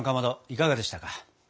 いかがでしたか？